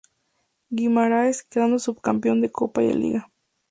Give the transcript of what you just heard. Guimaraes, quedando subcampeón de Copa y de Liga.